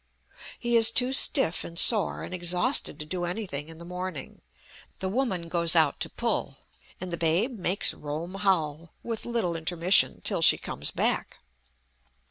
He is too stiff and sore and exhausted to do anything in the morning; the woman goes out to pull, and the babe makes Rome howl, with little intermission, till she comes back.